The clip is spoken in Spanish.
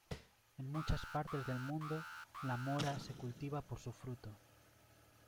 En muchas partes del mundo, la mora se cultiva por su fruto.